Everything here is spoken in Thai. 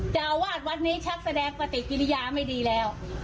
เจ้าวาดวัดนี้ชักแสดงปฏิกิริยาไม่ดีแล้ว